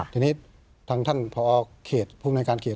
ทีนี้ทางท่านพคภการเขต